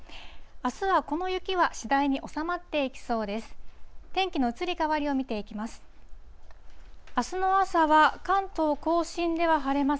あすはこの雪は次第に収まっていきそうです。